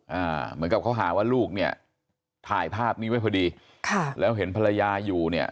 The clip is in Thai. เหมือนกับเขาหาว่าลูกเนี่ยถ่ายภาพนี้ไว้พอดีค่ะแล้วเห็นภรรยาอยู่เนี่ย